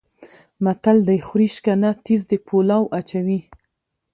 متل دی: خوري شکنه تیز د پولاو اچوي.